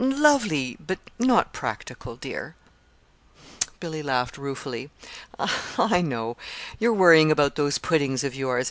"Lovely but not practical, dear." Billy laughed ruefully. "I know; you're worrying about those puddings of yours.